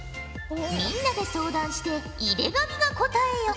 みんなで相談して井手上が答えよ。